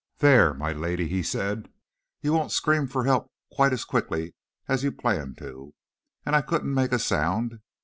'There, my lady,' he said, 'you won't scream for help quite as quickly as you planned to!' And I couldn't make a sound!